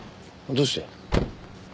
どうして？